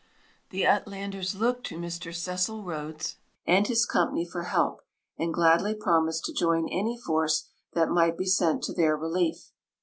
The Uitlanders looked to Mr Cecil Rhodes and his company for help and gladly promised to join any force that might be sent to their relief.